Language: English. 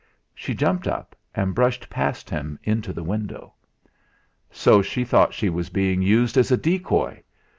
She jumped up, and brushed past him into the window. So she thought she was being used as a decoy!